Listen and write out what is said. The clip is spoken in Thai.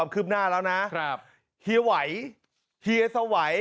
ขึ้นหน้าแล้วน่ะเฮียหวัยเฮียสวัย